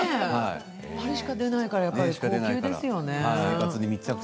あれしか出ないから高級ですよね。